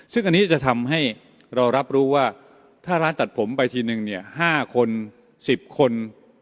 ซึ่งอันนี้จะทำให้เรารับรู้ว่าถ้าร้านตัดผมไปทีนึงเนี่ย๕คน๑๐คน